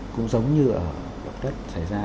cũng giống như động đất xảy ra